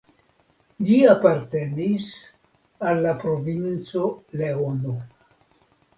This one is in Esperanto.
Ĝi apartenis al la Provinco Leono.